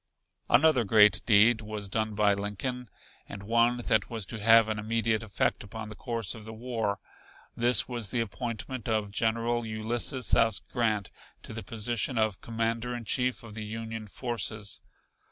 Another great deed was done by Lincoln and one that was to have an immediate effect upon the course of the war. This was the appointment of General Ulysses S. Grant to the position of Commander in Chief of the Union forces.